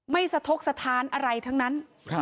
สะทกสถานอะไรทั้งนั้น